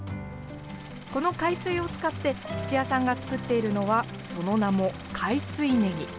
この海水を使って土屋さんが作っているのはその名も海水ねぎ。